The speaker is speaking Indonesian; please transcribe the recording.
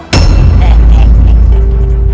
aku tidak akan mencelakai anakmu